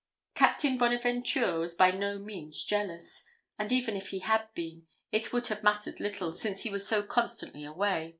Captain Bonaventure was by no means jealous; and even if he had been, it would have mattered little, since he was so constantly away.